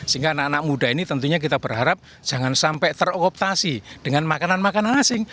sehingga anak anak muda ini tentunya kita berharap jangan sampai teroptasi dengan makanan makanan asing